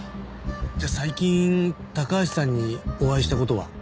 じゃあ最近高橋さんにお会いした事は？